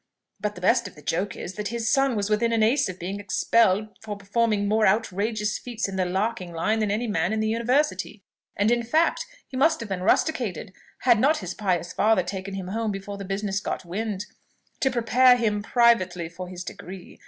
But the best of the joke is, that his son was within an ace of being expelled for performing more outrageous feats in the larking line than any man in the university; and in fact he must have been rusticated, had not his pious father taken him home before the business got wind, to prepare him privately for his degree.